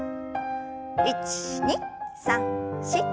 １２３４。